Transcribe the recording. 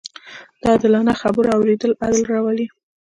د عادلانه خبرو اورېدل عدل راولي